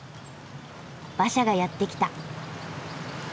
馬車がやって来た。